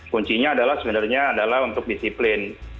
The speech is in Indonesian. kuncinya adalah sebenarnya adalah untuk disiplin